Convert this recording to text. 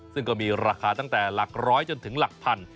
ซึ่งก็มีราคาตั้งแต่หลักร้อยจนถึงหลักพัน